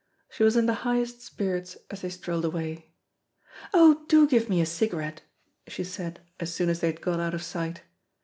She was in the highest spirits as they strolled away. "Oh do give me a cigarette," she said, as soon as they had got out of sight.